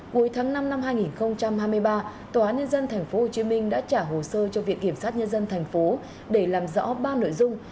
cuối tháng năm năm hai nghìn hai mươi ba tòa án nhân dân tp hcm đã trả hồ sơ cho viện kiểm sát nhân dân tp để làm rõ ba nội dung